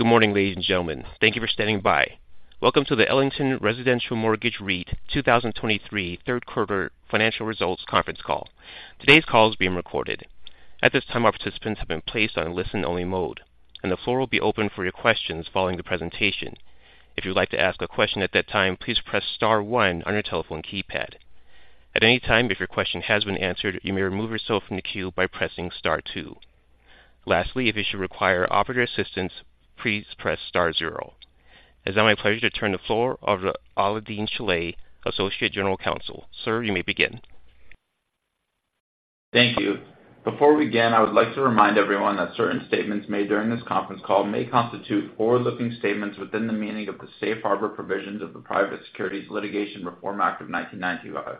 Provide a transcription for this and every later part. Good morning, ladies and gentlemen. Thank you for standing by. Welcome to the Ellington Residential Mortgage REIT 2023 Q3 financial results conference call. Today's call is being recorded. At this time, our participants have been placed on listen-only mode, and the floor will be open for your questions following the presentation. If you'd like to ask a question at that time, please press star one on your telephone keypad. At any time, if your question has been answered, you may remove yourself from the queue by pressing star two. Lastly, if you should require operator assistance, please press star zero. It's now my pleasure to turn the floor over to Alaael-Deen Shilleh, Associate General Counsel. Sir, you may begin. Thank you. Before we begin, I would like to remind everyone that certain statements made during this conference call may constitute forward-looking statements within the meaning of the Safe Harbor Provisions of the Private Securities Litigation Reform Act of 1995.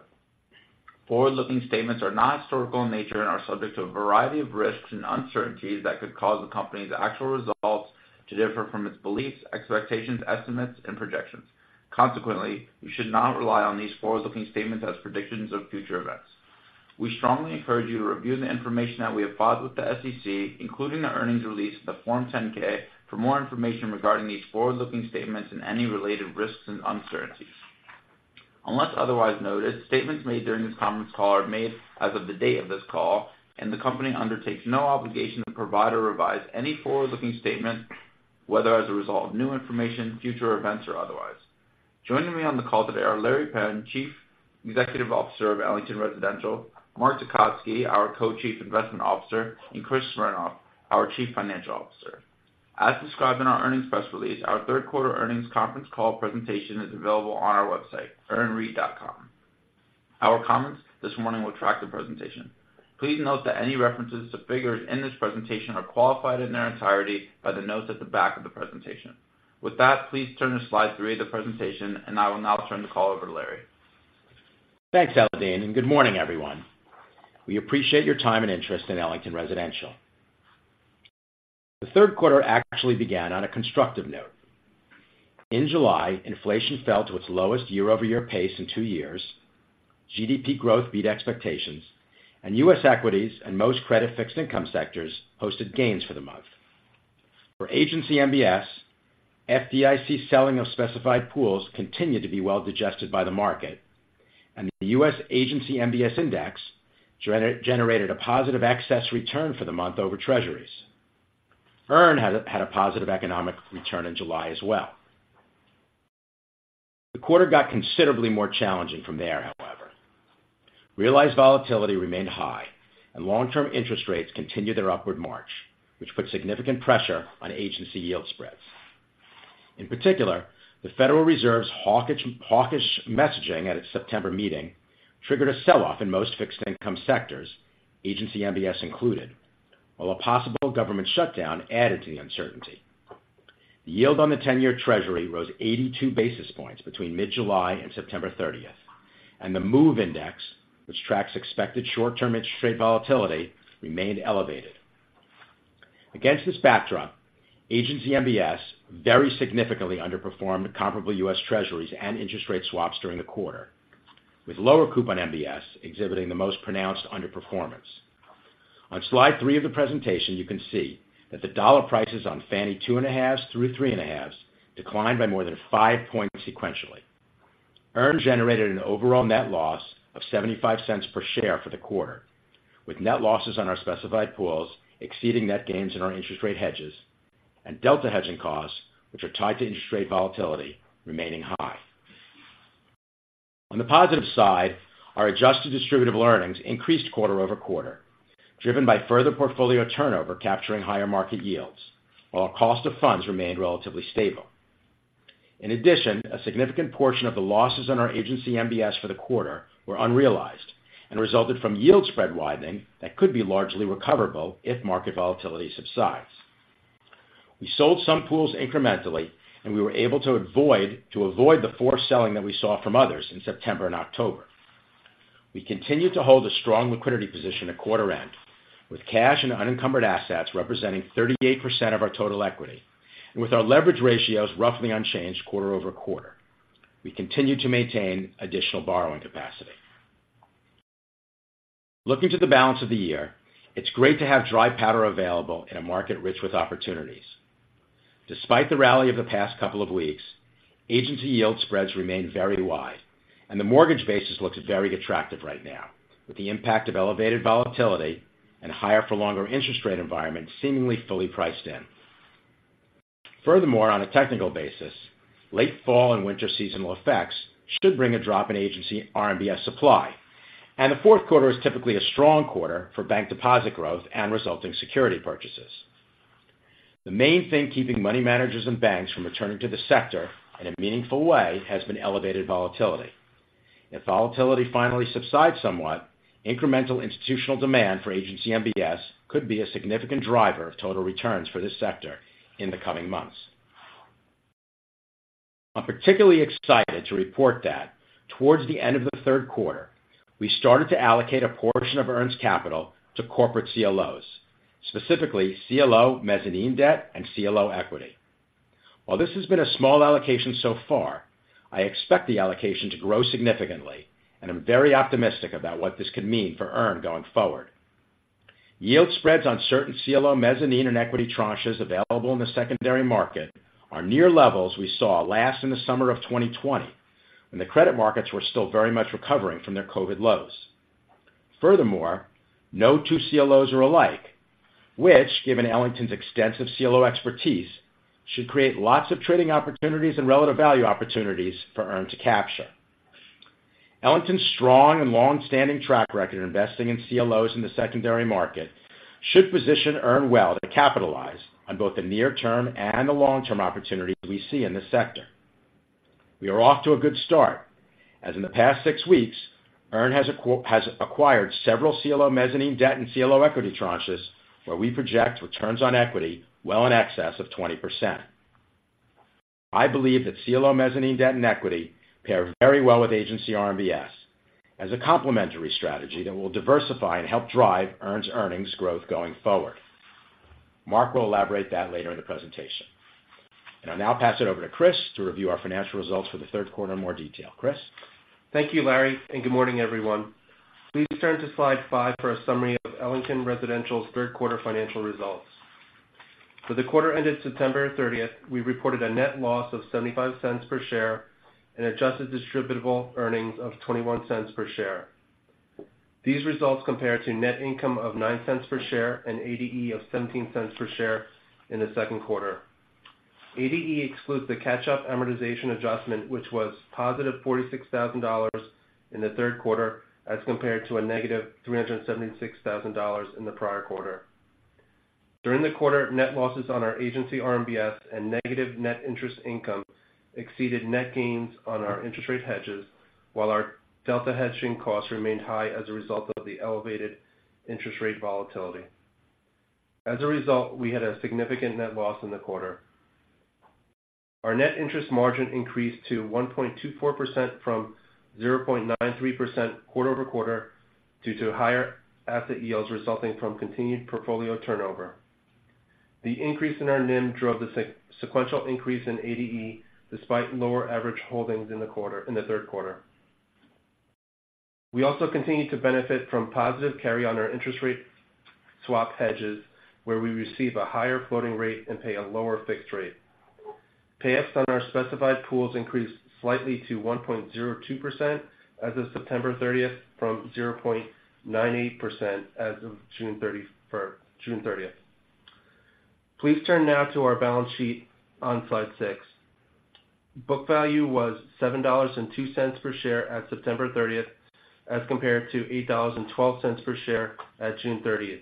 Forward-looking statements are not historical in nature and are subject to a variety of risks and uncertainties that could cause the company's actual results to differ from its beliefs, expectations, estimates, and projections. Consequently, you should not rely on these forward-looking statements as predictions of future events. We strongly encourage you to review the information that we have filed with the SEC, including the earnings release and the Form 10-K, for more information regarding these forward-looking statements and any related risks and uncertainties. Unless otherwise noted, statements made during this conference call are made as of the date of this call, and the company undertakes no obligation to provide or revise any forward-looking statement, whether as a result of new information, future events, or otherwise. Joining me on the call today are Larry Penn, Chief Executive Officer of Ellington Residential, Mark Tecotzky, our Co-Chief Investment Officer, and Chris Smernoff, our Chief Financial Officer. As described in our earnings press release, our Q3 earnings conference call presentation is available on our website, earnreit.com. Our comments this morning will track the presentation. Please note that any references to figures in this presentation are qualified in their entirety by the notes at the back of the presentation. With that, please turn to slide three of the presentation, and I will now turn the call over to Larry. Thanks, Alaael-Deen, and good morning, everyone. We appreciate your time and interest in Ellington Residential. The Q3 actually began on a constructive note. In July, inflation fell to its lowest year-over-year pace in two years, GDP growth beat expectations, and U.S. equities and most credit fixed income sectors posted gains for the month. For Agency MBS, FDIC selling of specified pools continued to be well digested by the market, and the U.S. Agency MBS Index generated a positive excess return for the month over Treasuries. EARN had a positive economic return in July as well. The quarter got considerably more challenging from there, however. Realized volatility remained high, and long-term interest rates continued their upward march, which put significant pressure on agency yield spreads. In particular, the Federal Reserve's hawkish, hawkish messaging at its September meeting triggered a sell-off in most fixed-income sectors, Agency MBS included, while a possible government shutdown added to the uncertainty. The yield on the 10-year Treasury rose 82 basis points between mid-July and September 30, and the MOVE Index, which tracks expected short-term interest rate volatility, remained elevated. Against this backdrop, Agency MBS very significantly underperformed comparable U.S. Treasuries and interest rate swaps during the quarter, with lower-coupon MBS exhibiting the most pronounced underperformance. On slide three of the presentation, you can see that the dollar prices on Fannie 2.5s through 3.5s declined by more than five points sequentially. EARN generated an overall net loss of $0.75 per share for the quarter, with net losses on our specified pools exceeding net gains in our interest rate hedges and delta hedging costs, which are tied to interest rate volatility, remaining high. On the positive side, our adjusted distributable earnings increased quarter-over-quarter, driven by further portfolio turnover, capturing higher market yields, while our cost of funds remained relatively stable. In addition, a significant portion of the losses on our Agency MBS for the quarter were unrealized and resulted from yield spread widening that could be largely recoverable if market volatility subsides. We sold some pools incrementally, and we were able to avoid the forced selling that we saw from others in September and October. We continued to hold a strong liquidity position at quarter-end, with cash and unencumbered assets representing 38% of our total equity, and with our leverage ratios roughly unchanged quarter-over-quarter. We continued to maintain additional borrowing capacity. Looking to the balance of the year, it's great to have dry powder available in a market rich with opportunities. Despite the rally of the past couple of weeks, agency yield spreads remain very wide, and the mortgage basis looks very attractive right now, with the impact of elevated volatility and higher for longer interest rate environment seemingly fully priced in. Furthermore, on a technical basis, late fall and winter seasonal effects should bring a drop in Agency RMBS supply, and the Q4 is typically a strong quarter for bank deposit growth and resulting security purchases. The main thing keeping money managers and banks from returning to the sector in a meaningful way has been elevated volatility. If volatility finally subsides somewhat, incremental institutional demand for Agency MBS could be a significant driver of total returns for this sector in the coming months. I'm particularly excited to report that towards the end of the Q3, we started to allocate a portion of EARN's capital to corporate CLOs, specifically CLO mezzanine debt and CLO equity. While this has been a small allocation so far, I expect the allocation to grow significantly, and I'm very optimistic about what this could mean for EARN going forward. Yield spreads on certain CLO mezzanine and equity tranches available in the secondary market are near levels we saw last in the summer of 2020, when the credit markets were still very much recovering from their COVID lows. Furthermore, no two CLOs are alike, which, given Ellington's extensive CLO expertise, should create lots of trading opportunities and relative value opportunities for EARN to capture. Ellington's strong and long-standing track record in investing in CLOs in the secondary market should position EARN well to capitalize on both the near-term and the long-term opportunities we see in this sector. We are off to a good start, as in the past six weeks, EARN has acquired several CLO mezzanine debt and CLO equity tranches, where we project returns on equity well in excess of 20%. I believe that CLO mezzanine debt and equity pair very well with Agency RMBS as a complementary strategy that will diversify and help drive EARN's earnings growth going forward. Mark will elaborate that later in the presentation. I'll now pass it over to Chris to review our financial results for the Q3 in more detail. Chris? Thank you, Larry, and good morning, everyone. Please turn to slide five for a summary of Ellington Residential's Q3 financial results. For the quarter ended September 30, we reported a net loss of $0.75 per share and adjusted distributable earnings of $0.21 per share. These results compare to net income of $0.09 per share and ADE of $0.17 per share in the Q2. ADE excludes the catch-up amortization adjustment, which was positive $46,000 in the Q3, as compared to a negative $376,000 in the prior quarter. During the quarter, net losses on our Agency RMBS and negative net interest income exceeded net gains on our interest rate hedges, while our delta hedging costs remained high as a result of the elevated interest rate volatility. As a result, we had a significant net loss in the quarter. Our net interest margin increased to 1.24% from 0.93% quarter-over-quarter due to higher asset yields resulting from continued portfolio turnover. The increase in our NIM drove the sequential increase in ADE, despite lower average holdings in the quarter, in the Q3. We also continued to benefit from positive carry on our interest rate swap hedges, where we receive a higher floating rate and pay a lower fixed rate. Pay-ups on our specified pools increased slightly to 1.02% as of September thirtieth, from 0.98% as of June thirtieth. Please turn now to our balance sheet on slide six. Book value was $7.02 per share at September thirtieth, as compared to $8.12 per share at June thirtieth.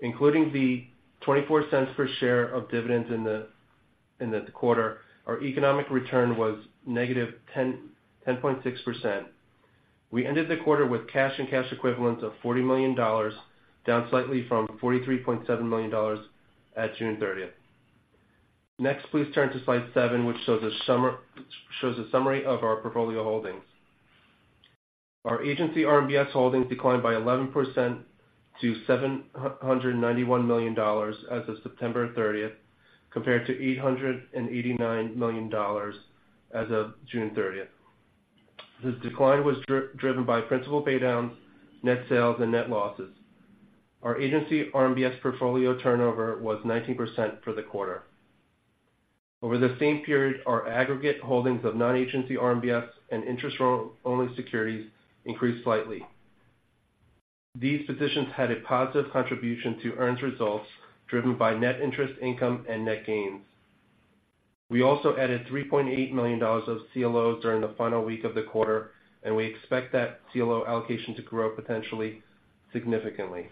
Including the 24 cents per share of dividends in the quarter, our economic return was negative 10.6%. We ended the quarter with cash and cash equivalents of $40 million, down slightly from $43.7 million at June 30. Next, please turn to slide seven, which shows a summary of our portfolio holdings. Our Agency RMBS holdings declined by 11% to $791 million as of September 30, compared to $889 million as of June 30. This decline was driven by principal paydowns, net sales, and net losses. Our Agency RMBS portfolio turnover was 19% for the quarter. Over the same period, our aggregate holdings of Non-Agency RMBS and interest-only securities increased slightly. These positions had a positive contribution to EARN's results, driven by net interest income and net gains. We also added $3.8 million of CLO during the final week of the quarter, and we expect that CLO allocation to grow potentially significantly.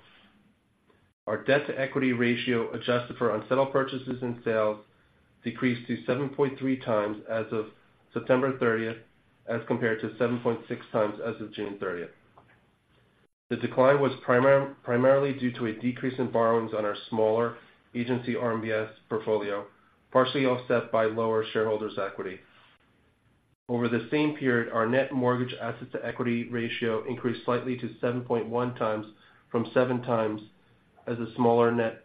Our debt-to-equity ratio, adjusted for unsettled purchases and sales, decreased to 7.3 times as of September 30, as compared to 7.6 times as of June 30. The decline was primarily due to a decrease in borrowings on our smaller Agency RMBS portfolio, partially offset by lower shareholders' equity. Over the same period, our net mortgage assets to equity ratio increased slightly to 7.1 times from seven times as a smaller net,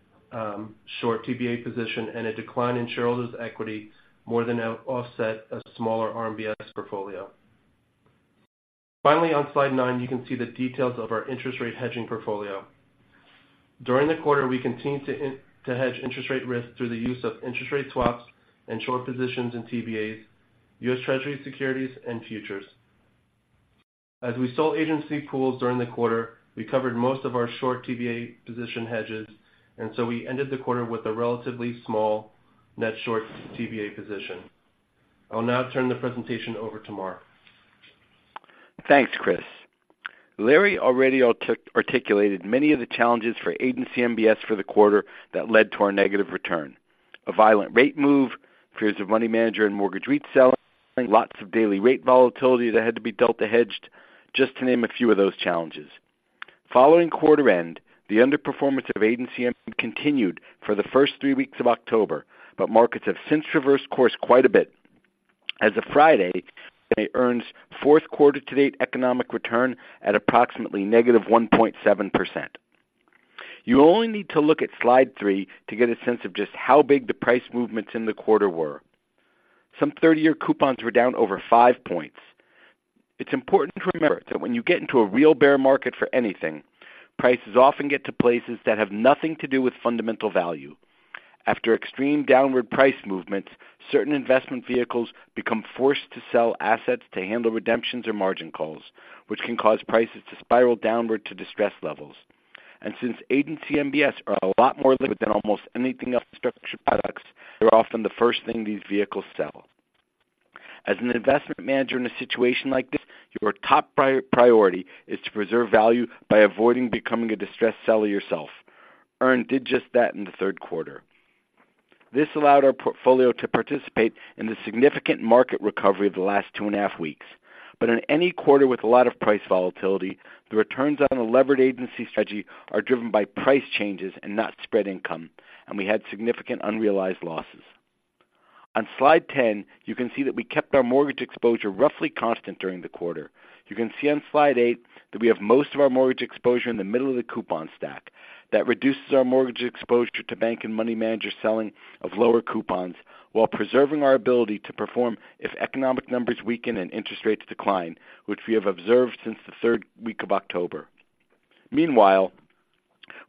short TBA position and a decline in shareholders' equity more than offset a smaller RMBS portfolio. Finally, on slide nine, you can see the details of our interest rate hedging portfolio. During the quarter, we continued to hedge interest rate risk through the use of interest rate swaps and short positions in TBAs, U.S. Treasury securities, and futures. As we sold agency pools during the quarter, we covered most of our short TBA position hedges, and so we ended the quarter with a relatively small net short TBA position. I'll now turn the presentation over to Mark. Thanks, Chris. Larry already articulated many of the challenges for Agency MBS for the quarter that led to our negative return. A violent rate move, fears of money manager and mortgage REITs selling, lots of daily rate volatility that had to be delta hedged, just to name a few of those challenges. Following quarter-end, the underperformance of agency continued for the first three weeks of October, but markets have since traversed course quite a bit. As of Friday, EARN's Q4 to date economic return at approximately negative 1.7%. You only need to look at slide three to get a sense of just how big the price movements in the quarter were. Some 30-year coupons were down over five points. It's important to remember that when you get into a real bear market for anything, prices often get to places that have nothing to do with fundamental value. After extreme downward price movements, certain investment vehicles become forced to sell assets to handle redemptions or margin calls, which can cause prices to spiral downward to distress levels. And since Agency MBS are a lot more liquid than almost anything else structured products, they're often the first thing these vehicles sell. As an investment manager in a situation like this, your top priority is to preserve value by avoiding becoming a distressed seller yourself. Earn did just that in the Q3. This allowed our portfolio to participate in the significant market recovery of the last 2.5 weeks. But in any quarter with a lot of price volatility, the returns on a levered Agency strategy are driven by price changes and not spread income, and we had significant unrealized losses. On slide 10, you can see that we kept our mortgage exposure roughly constant during the quarter. You can see on slide eight that we have most of our mortgage exposure in the middle of the coupon stack. That reduces our mortgage exposure to bank and money managers selling of lower coupons while preserving our ability to perform if economic numbers weaken and interest rates decline, which we have observed since the third week of October. Meanwhile,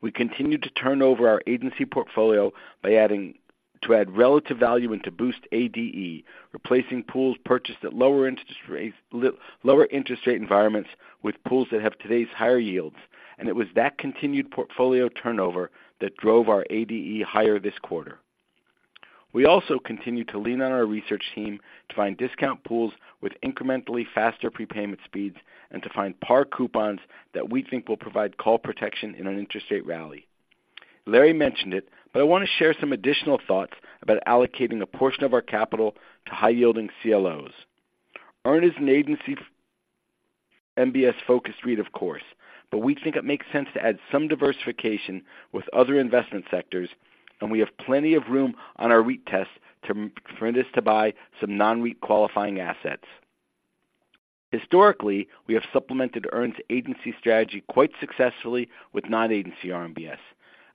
we continued to turn over our Agency portfolio to add relative value and to boost ADE, replacing pools purchased at lower interest rates, lower interest rate environments with pools that have today's higher yields. It was that continued portfolio turnover that drove our ADE higher this quarter. We also continued to lean on our research team to find discount pools with incrementally faster prepayment speeds and to find par coupons that we think will provide call protection in an interest rate rally. Larry mentioned it, but I want to share some additional thoughts about allocating a portion of our capital to high-yielding CLOs. Earn is an Agency MBS-focused REIT, of course, but we think it makes sense to add some diversification with other investment sectors, and we have plenty of room on our REIT test for this to buy some non-REIT qualifying assets. Historically, we have supplemented Earn's agency strategy quite successfully with Non-Agency RMBS.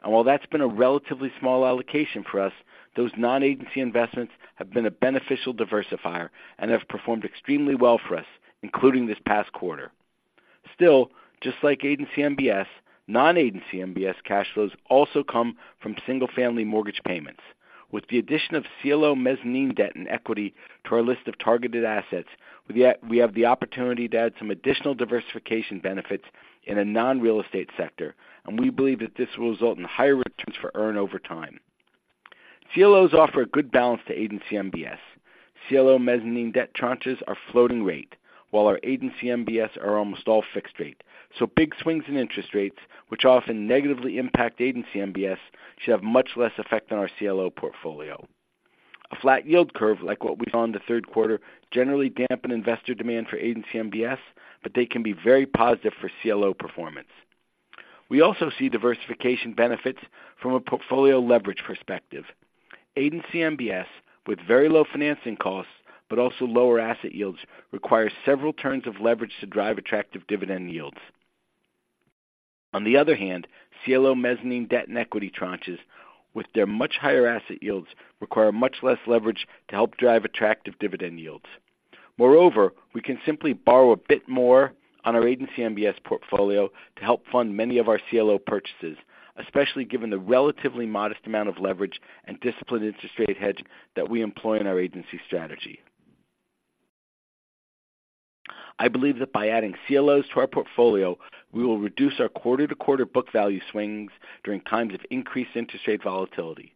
While that's been a relatively small allocation for us, those Non-Agency investments have been a beneficial diversifier and have performed extremely well for us, including this past quarter. Still, just like Agency MBS, Non-Agency MBS cash flows also come from single-family mortgage payments. With the addition of CLO mezzanine debt and equity to our list of targeted assets, we have the opportunity to add some additional diversification benefits in a non-real estate sector, and we believe that this will result in higher returns for Earn over time. CLOs offer a good balance to Agency MBS. CLO mezzanine debt tranches are floating rate, while our Agency MBS are almost all fixed rate. Big swings in interest rates, which often negatively impact Agency MBS, should have much less effect on our CLO portfolio. A flat yield curve, like what we saw in the Q3, generally dampen investor demand for Agency MBS, but they can be very positive for CLO performance. We also see diversification benefits from a portfolio leverage perspective. Agency MBS, with very low financing costs but also lower asset yields, requires several turns of leverage to drive attractive dividend yields. On the other hand, CLO mezzanine debt and equity tranches, with their much higher asset yields, require much less leverage to help drive attractive dividend yields. Moreover, we can simply borrow a bit more on our Agency MBS portfolio to help fund many of our CLO purchases, especially given the relatively modest amount of leverage and disciplined interest rate hedge that we employ in our agency strategy. I believe that by adding CLOs to our portfolio, we will reduce our quarter-to-quarter book value swings during times of increased interest rate volatility.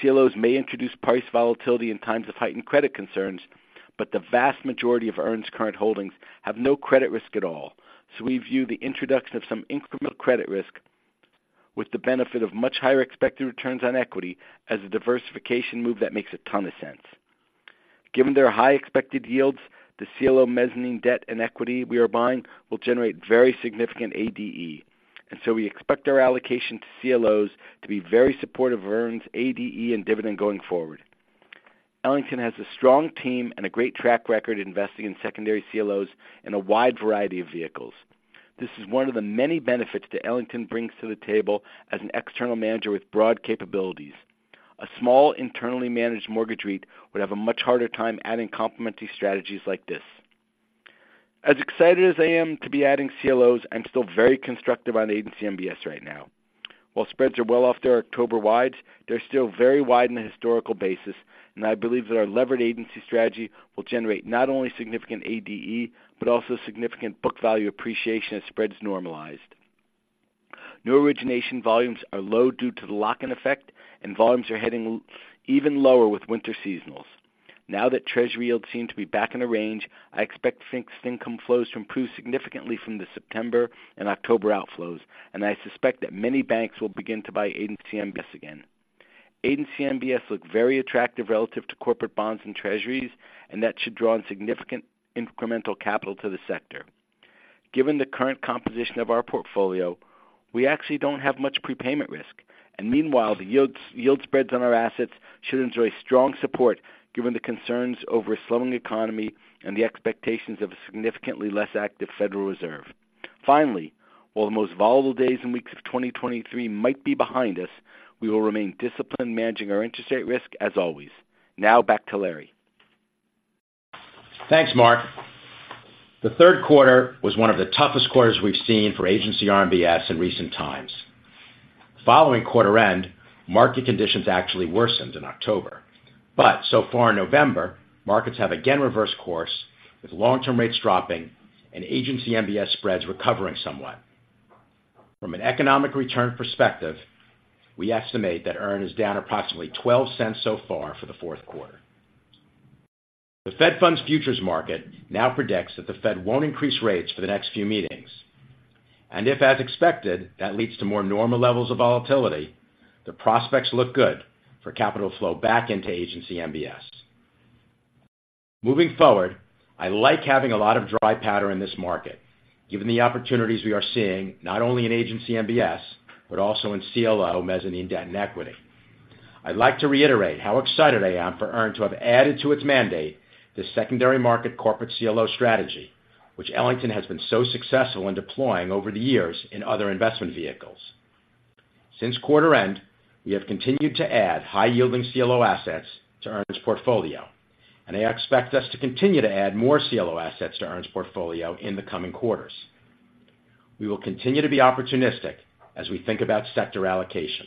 CLOs may introduce price volatility in times of heightened credit concerns, but the vast majority of EARN's current holdings have no credit risk at all. We view the introduction of some incremental credit risk with the benefit of much higher expected returns on equity as a diversification move that makes a ton of sense. Given their high expected yields, the CLO mezzanine debt and equity we are buying will generate very significant ADE, and so we expect our allocation to CLOs to be very supportive of EARN's ADE and dividend going forward. Ellington has a strong team and a great track record investing in secondary CLOs in a wide variety of vehicles. This is one of the many benefits that Ellington brings to the table as an external manager with broad capabilities. A small, internally managed mortgage REIT would have a much harder time adding complementary strategies like this. As excited as I am to be adding CLOs, I'm still very constructive on Agency MBS right now. While spreads are well off their October wides, they're still very wide in a historical basis, and I believe that our levered Agency strategy will generate not only significant ADE, but also significant book value appreciation as spreads normalized. New origination volumes are low due to the lock-in effect, and volumes are heading even lower with winter seasonals. Now that Treasury yields seem to be back in a range, I expect fixed income flows to improve significantly from the September and October outflows, and I suspect that many banks will begin to buy Agency MBS again. Agency MBS look very attractive relative to corporate bonds and Treasuries, and that should draw in significant incremental capital to the sector. Given the current composition of our portfolio, we actually don't have much prepayment risk.... And meanwhile, the yields, yield spreads on our assets should enjoy strong support given the concerns over a slowing economy and the expectations of a significantly less active Federal Reserve. Finally, while the most volatile days and weeks of 2023 might be behind us, we will remain disciplined managing our interest rate risk as always. Now back to Larry. Thanks, Mark. The Q3 was one of the toughest quarters we've seen for Agency RMBS in recent times. Following quarter-end, market conditions actually worsened in October, but so far in November, markets have again reversed course, with long-term rates dropping and Agency MBS spreads recovering somewhat. From an economic return perspective, we estimate that EARN is down approximately $0.12 so far for the Q4. The Fed Funds futures market now predicts that the Fed won't increase rates for the next few meetings, and if as expected, that leads to more normal levels of volatility, the prospects look good for capital flow back into Agency MBS. Moving forward, I like having a lot of dry powder in this market, given the opportunities we are seeing, not only in Agency MBS, but also in CLO, mezzanine debt, and equity. I'd like to reiterate how excited I am for EARN to have added to its mandate, the secondary market corporate CLO strategy, which Ellington has been so successful in deploying over the years in other investment vehicles. Since quarter-end, we have continued to add high-yielding CLO assets to EARN's portfolio, and I expect us to continue to add more CLO assets to EARN's portfolio in the coming quarters. We will continue to be opportunistic as we think about sector allocation.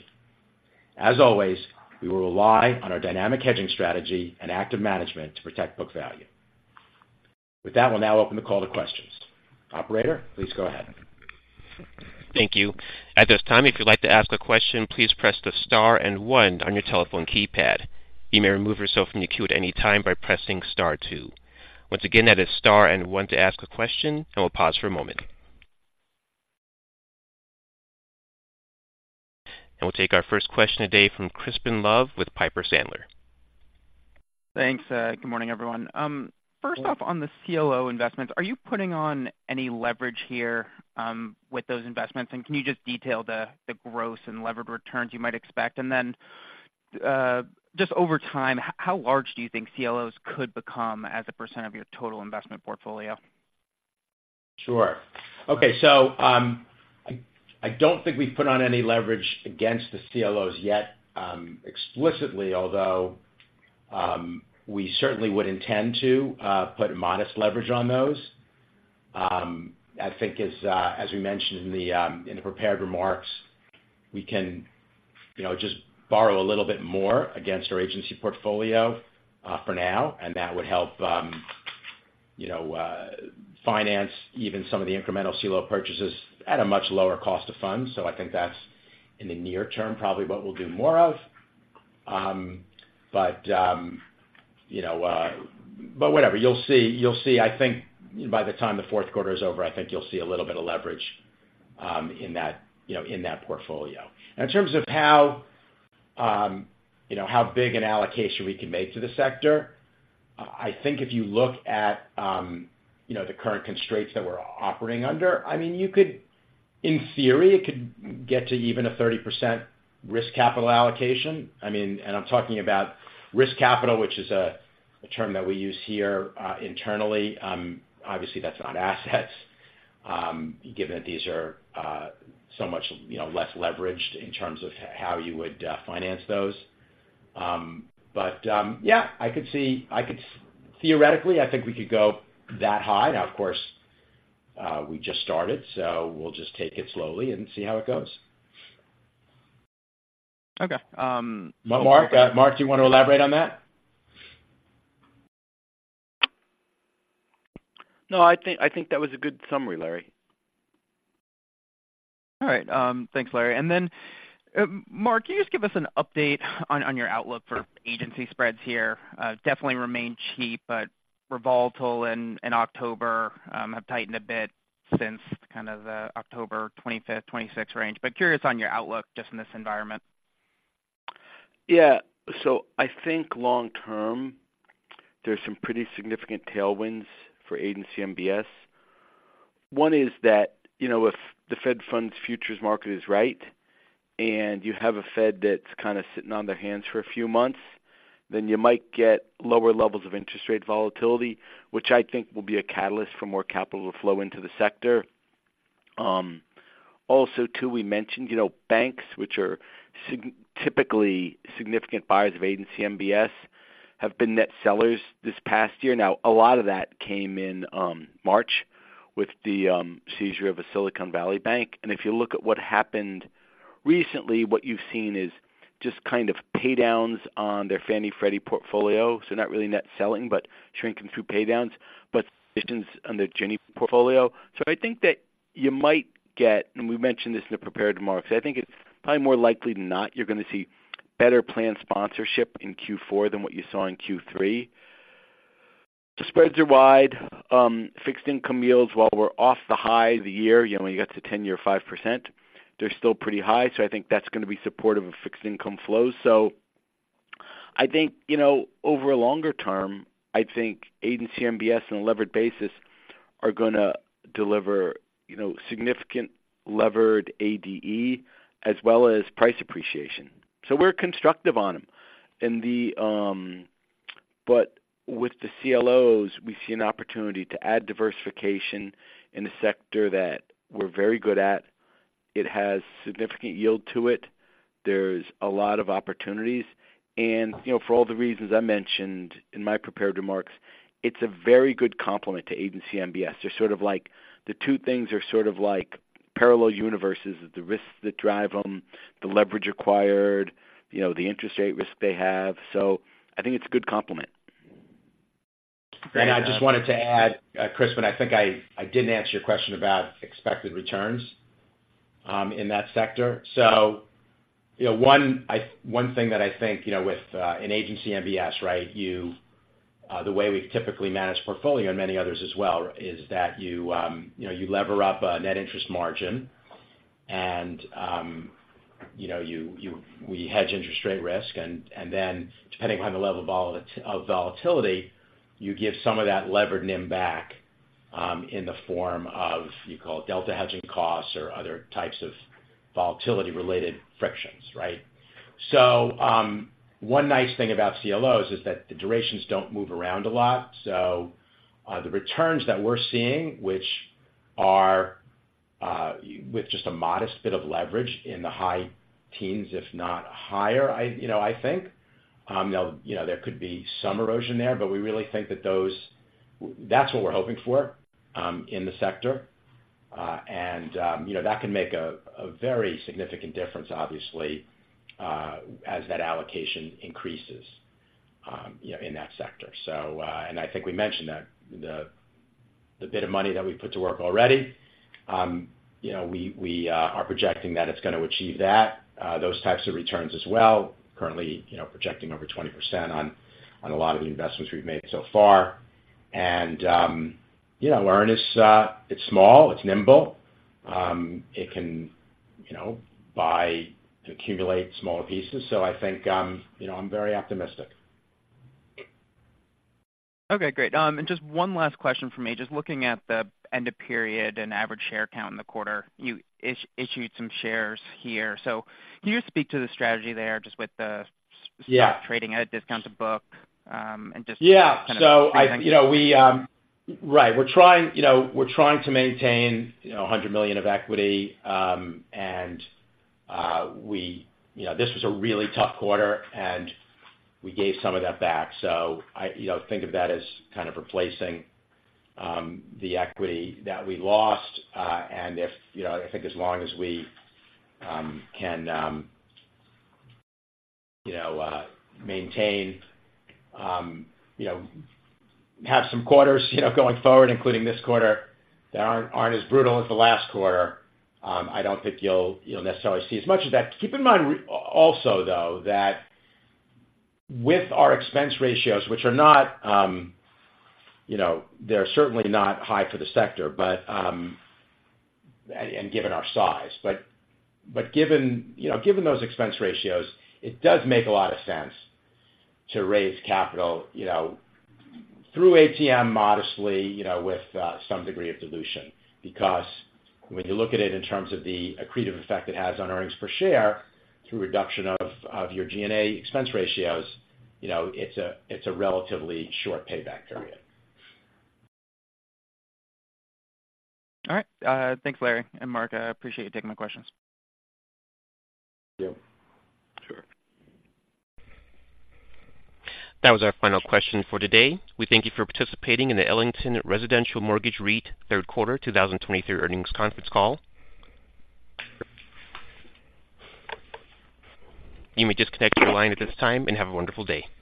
As always, we will rely on our dynamic hedging strategy and active management to protect book value. With that, we'll now open the call to questions. Operator, please go ahead. Thank you. At this time, if you'd like to ask a question, please press the star and one on your telephone keypad. You may remove yourself from the queue at any time by pressing star two. Once again, that is star and one to ask a question, and we'll pause for a moment. We'll take our first question today from Crispin Love with Piper Sandler. Thanks. Good morning, everyone. First off, on the CLO investments, are you putting on any leverage here, with those investments? And can you just detail the gross and levered returns you might expect? And then, just over time, how large do you think CLOs could become as a percent of your total investment portfolio? Sure. Okay, so I don't think we've put on any leverage against the CLOs yet, explicitly, although we certainly would intend to put modest leverage on those. I think as we mentioned in the prepared remarks, we can, you know, just borrow a little bit more against our agency portfolio, for now, and that would help, you know, finance even some of the incremental CLO purchases at a much lower cost of funds. So I think that's, in the near term, probably what we'll do more of. But you know, but whatever. You'll see, you'll see. I think by the time the Q4 is over, I think you'll see a little bit of leverage in that, you know, in that portfolio. In terms of how, you know, how big an allocation we can make to the sector, I think if you look at, you know, the current constraints that we're operating under, I mean, you could. In theory, it could get to even a 30% risk capital allocation. I mean, I'm talking about risk capital, which is a term that we use here, internally. Obviously, that's not assets, given that these are so much, you know, less leveraged in terms of how you would finance those. But, yeah, I could see. Theoretically, I think we could go that high. Now, of course, we just started, so we'll just take it slowly and see how it goes. Okay, um- Mark, Mark, do you want to elaborate on that? No, I think, I think that was a good summary, Larry. All right. Thanks, Larry. And then, Mark, can you just give us an update on your outlook for agency spreads here? Definitely remain cheap, but were volatile in October, have tightened a bit since kind of the October 25th, 26th range. But curious on your outlook just in this environment. Yeah. So I think long term, there's some pretty significant tailwinds for Agency MBS. One is that, you know, if the Fed Funds futures market is right, and you have a Fed that's kind of sitting on their hands for a few months, then you might get lower levels of interest rate volatility, which I think will be a catalyst for more capital to flow into the sector. Also, too, we mentioned, you know, banks, which are typically significant buyers of Agency MBS, have been net sellers this past year. Now, a lot of that came in March, with the seizure of Silicon Valley Bank. And if you look at what happened recently, what you've seen is just kind of pay downs on their Fannie Freddie portfolio. So not really net selling, but shrinking through pay downs, but on the Ginnie portfolio. So I think that you might get, and we mentioned this in the prepared remarks, I think it's probably more likely than not, you're going to see better planned sponsorship in Q4 than what you saw in Q3. The spreads are wide, fixed income yields, while we're off the high of the year, you know, when you get to 10-year, 5%, they're still pretty high. So I think that's going to be supportive of fixed income flows. I think, you know, over a longer term, I think Agency MBS on a levered basis are gonna deliver, you know, significant levered ADE as well as price appreciation. So we're constructive on them. And the, but with the CLOs, we see an opportunity to add diversification in a sector that we're very good at. It has significant yield to it. There's a lot of opportunities. And, you know, for all the reasons I mentioned in my prepared remarks, it's a very good complement to Agency MBS. They're sort of like the two things are sort of like parallel universes, the risks that drive them, the leverage acquired, you know, the interest rate risk they have. So I think it's a good complement. I just wanted to add, Chris, but I think I didn't answer your question about expected returns in that sector. So, you know, one thing that I think, you know, with an Agency MBS, right? You, the way we've typically managed portfolio and many others as well, is that you, you know, you lever up a net interest margin and, you know, we hedge interest rate risk. And then depending on the level of volatility, you give some of that levered NIM back in the form of, you call it, Delta Hedging costs or other types of volatility-related frictions, right? So, one nice thing about CLOs is that the durations don't move around a lot. So, the returns that we're seeing, which are, with just a modest bit of leverage in the high teens, if not higher, I, you know, I think, you know, there could be some erosion there, but we really think that those - that's what we're hoping for, in the sector. And, you know, that can make a very significant difference, obviously, as that allocation increases, you know, in that sector. So, and I think we mentioned that the bit of money that we've put to work already, you know, we are projecting that it's gonna achieve that, those types of returns as well. Currently, you know, projecting over 20% on a lot of the investments we've made so far. And, you know, EARN is, it's small, it's nimble. It can, you know, buy, accumulate smaller pieces. So I think, you know, I'm very optimistic. Okay, great. And just one last question for me. Just looking at the end of period and average share count in the quarter, you issued some shares here. So can you speak to the strategy there just with the- Yeah. -stock trading at a discount to book, and just- Yeah. Kind of- So I, you know, we... Right. We're trying, you know, we're trying to maintain, you know, $100 million of equity. You know, this was a really tough quarter, and we gave some of that back. So I, you know, think of that as kind of replacing the equity that we lost. And if, you know, I think as long as we can, you know, maintain, you know, have some quarters, you know, going forward, including this quarter, that aren't as brutal as the last quarter, I don't think you'll necessarily see as much as that. Keep in mind, really also, though, that with our expense ratios, which are not, you know, they're certainly not high for the sector, but and given our size, but given, you know, given those expense ratios, it does make a lot of sense to raise capital, you know, through ATM modestly, you know, with some degree of dilution. Because when you look at it in terms of the accretive effect it has on earnings per share, through reduction of your G&A expense ratios, you know, it's a relatively short payback period. All right. Thanks, Larry and Mark. I appreciate you taking my questions. Thank you. Sure. That was our final question for today. We thank you for participating in the Ellington Residential Mortgage REIT Q3 2023 earnings conference call. You may disconnect your line at this time and have a wonderful day.